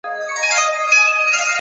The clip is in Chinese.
她很担心大儿子